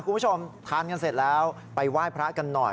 คุณผู้ชมทานกันเสร็จแล้วไปไหว้พระกันหน่อย